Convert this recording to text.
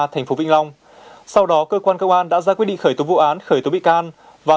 thành phố vĩnh long sau đó cơ quan công an đã ra quyết định khởi tố vụ án khởi tố bị can và